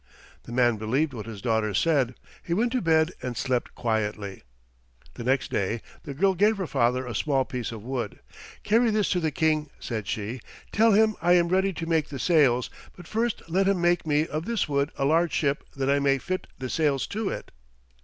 The man believed what his daughter said. He went to bed and slept quietly. The next day the girl gave her father a small piece of wood. "Carry this to the King," said she. "Tell him I am ready to make the sails, but first let him make me of this wood a large ship that I may fit the sails to it."